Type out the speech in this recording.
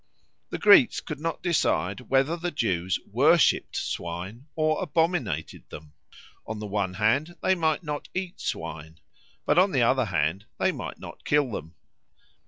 The Greeks could not decide whether the Jews worshipped swine or abominated them. On the one hand they might not eat swine; but on the other hand they might not kill them.